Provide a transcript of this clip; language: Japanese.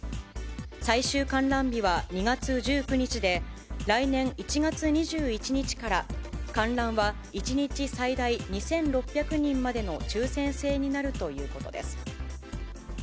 最終観覧日は２月１９日で、来年１月２１日から観覧は１日最大２６００人までの抽せん制になるということです。